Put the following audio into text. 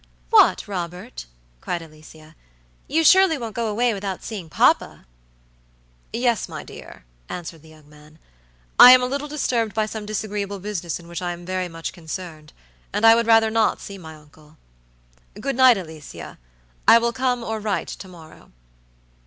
"What, Robert," cried Alicia, "you surely won't go away without seeing papa?" "Yes, my dear," answered the young man. "I am a little disturbed by some disagreeable business in which I am very much concerned, and I would rather not see my uncle. Good night, Alicia. I will come or write to morrow."